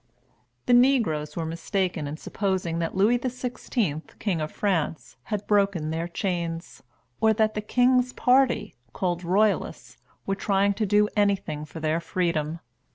The negroes were mistaken in supposing that Louis XVI., king of France, had broken their chains, or that the king's party, called Royalists, were trying to do anything for their freedom.